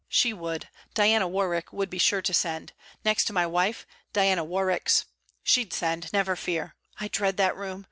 'She would. Diana Warwick would be sure to send. Next to my wife, Diana Warwick's... she'd send, never fear. I dread that room.